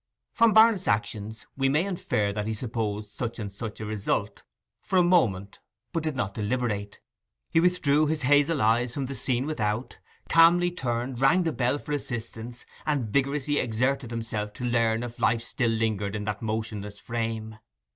From Barnet's actions we may infer that he supposed such and such a result, for a moment, but did not deliberate. He withdrew his hazel eyes from the scene without, calmly turned, rang the bell for assistance, and vigorously exerted himself to learn if life still lingered in that motionless frame.